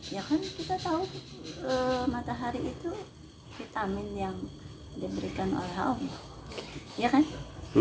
ya kan kita tahu matahari itu vitamin yang diberikan oleh allah